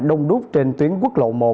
đông đút trên tuyến quốc lộ một